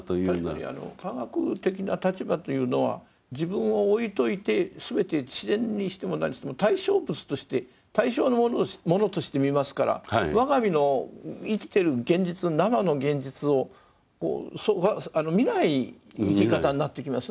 確かに科学的な立場というのは自分を置いといてすべて自然にしても何にしても対象物として対象のものとして見ますから我が身の生きてる現実生の現実を見ない生き方になってきますね。